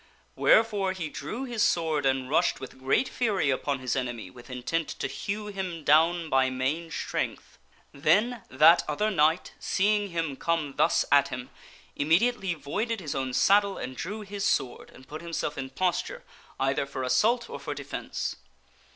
Wherefore he drew his sword and rushed with great fury upon his enemy with intent to hew him down by main strength. Then that other knight, GAWAINE ENCOUNTERS THE BLACK KNIGHT 247 seeing him come thus at him, immediately voided his own saddle and drew his sword and put himself in posture either for assault or for defence.